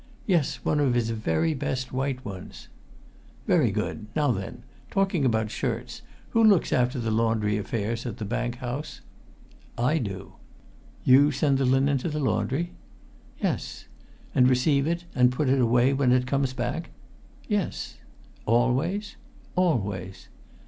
"Yes, one of his very best white ones." "Very good. Now then, talking about shirts, who looks after the laundry affairs at the Bank House?" "I do." "You send the linen to the laundry?" "Yes." "And receive it and put it away when it comes back?" "Yes." "Always?" "Always!"